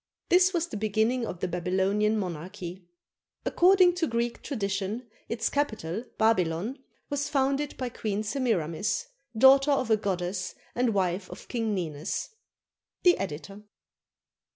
This was the beginning of the Babylonian monarchy. According to Greek tradition, its capital, Babylon, was founded by Queen Semiramis, daughter of a goddess and wife of King Ninus. The Editor.